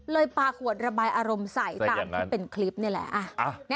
เลยปาขวดระบายอารมณ์ใสตามที่เป็นคลิปนี่แหละแ๘๑ใช่อย่างนั้น